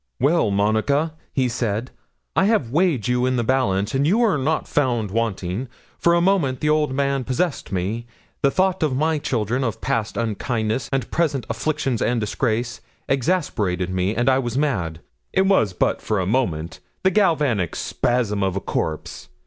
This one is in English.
'"Well, Monica," he said, "I have weighed you in the balance, and you are not found wanting. For a moment the old man possessed me: the thought of my children, of past unkindness, and present affliction and disgrace, exasperated me, and I was mad. It was but for a moment the galvanic spasm of a corpse.